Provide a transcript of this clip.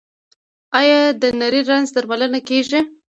آیا د نري رنځ درملنه کیږي؟